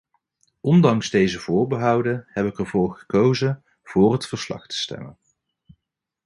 Ondanks deze voorbehouden heb ik ervoor gekozen voor het verslag te stemmen.